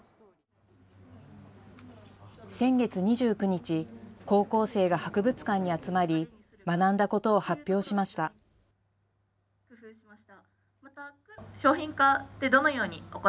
先月２９日、高校生が博物館に集まり学んだことを発表しました。